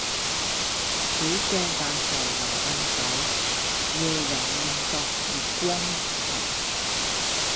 曉鏡但愁云鬢改，夜吟應覺月光寒。